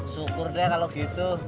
syukur deh kalau gitu